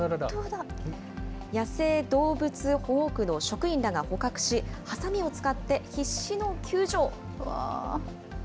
野生動物保護区の職員らが捕獲し、はさみを使って必死の救助。